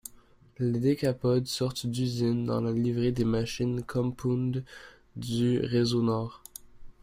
Les Decapod sortent d'usine dans la livrée des machines compound du réseau Nord.